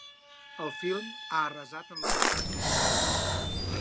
El film ha arrasat en l’apartat musical.